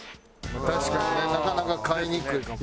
確かにねなかなか買いにくいかも。